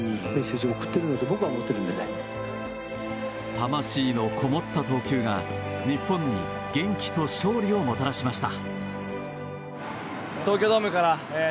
魂のこもった投球が、日本に元気と勝利をもたらしました。